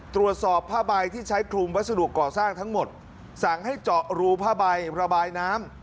ตรวจสอบผ้าใบที่ใช้คลุมวัสดุก่อสร้างทั้งหมดสั่งให้เจาะรูผ้าใบระบายน้ำ